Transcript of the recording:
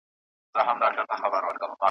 خپل د خوښي اشخاصو پټولو څخه